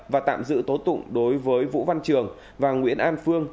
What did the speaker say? và tạm giữ tố tụng đối với vũ văn trường và nguyễn an phương